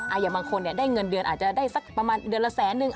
อย่างบางคนเนี่ยได้เงินเดือนอาจจะได้สักประมาณเดือนละแสนนึง